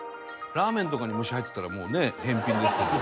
ラーメンとかに虫入ってたらもうね返品ですけど。